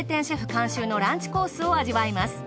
監修のランチコースを味わいます。